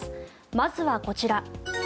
まずはこちら。